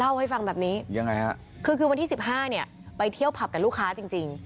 เล่าให้ฟังแบบนี้คือวันที่๑๕ไปเที่ยวผับกับลูกค้าจริง